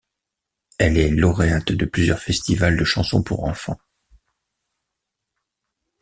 Elle est lauréate de plusieurs festivals de chansons pour enfants.